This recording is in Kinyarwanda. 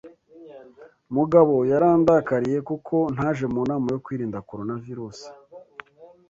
Mugabo yarandakariye kuko ntaje munama yo kwirinda Coronavirus.